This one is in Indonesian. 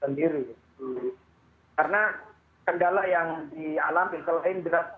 ketika ini dipaksa untuk mencari jahat umum yang dikelola oleh dina sosial kabupaten sampang